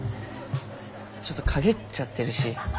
ちょっと陰っちゃってるし。